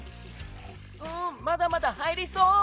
うんまだまだ入りそう！